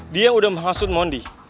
dia yang udah mengasut mondi